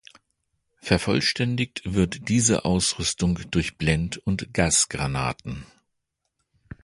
Vervollständigt wird diese Ausrüstung durch Blend- und Gasgranaten.